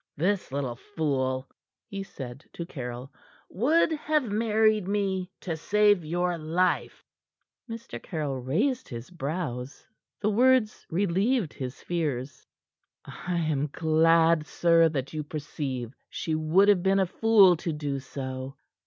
"This little fool," he said to Caryll, "would have married me to save your life." Mr. Caryll raised his brows. The words relieved his fears. "I am glad, sir, that you perceive she would have been a fool to do so.